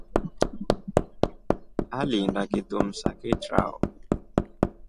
Aliinda kitumsa kitrao.